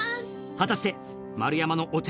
果たして丸山のお茶